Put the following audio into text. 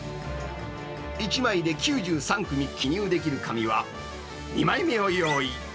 １枚で９３組記入できる紙は、２枚目を用意。